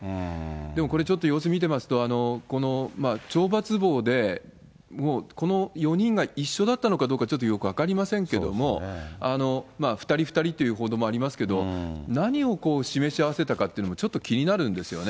でもこれちょっと様子見てますと、この懲罰房でもうこの４人が一緒だったのかどうか、ちょっとよく分かりませんけれども、２人、２人という報道もありますけど、何を示し合わせたかっていうのもちょっと気になるんですよね。